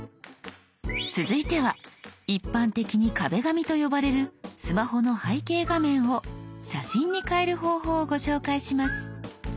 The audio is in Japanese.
続いては一般的に「壁紙」と呼ばれるスマホの背景画面を写真に変える方法をご紹介します。